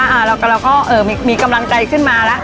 อ่าเราก็เราก็เอ่อมีมีกำลังใจขึ้นมาแล้ว